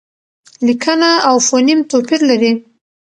لیکنه او فونېم توپیر لري.